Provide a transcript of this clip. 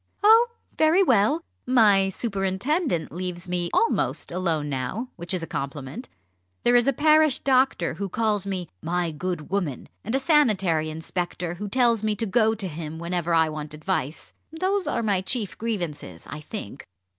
"Oh, very well! my superintendent leaves me almost alone now, which is a compliment. There is a parish doctor who calls me 'my good woman,' and a sanitary inspector who tells me to go to him whenever I want advice. Those are my chief grievances, I think."